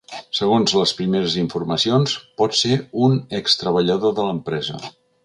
Segons les primeres informacions, pot ser un ex-treballador de l’empresa.